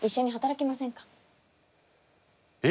え！